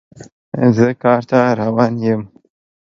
زه کار ته روان یم